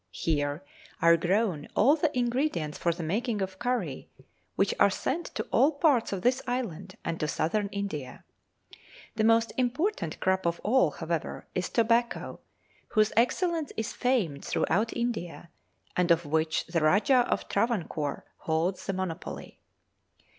Here are grown all the ingredients for the making of curry, which are sent to all parts of this island and to Southern India. The most important crop of all, however, is tobacco, whose excellence is famed throughout India, and of which the Rajah of Travancore holds the monopoly.